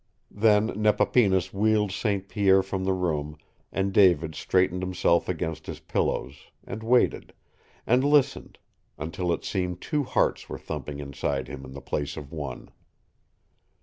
Then Nepapinas wheeled St. Pierre from the room and David straightened himself against his pillows, and waited, and listened, until it seemed two hearts were thumping inside him in the place of one.